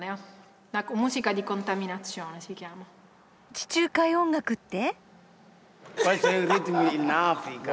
地中海音楽って？